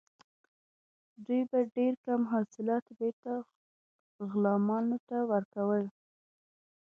دوی به ډیر کم حاصلات بیرته غلامانو ته ورکول.